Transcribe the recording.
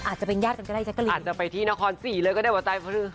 อาจจะไปที่นครศรีเลยวะตายพ่อฟรือ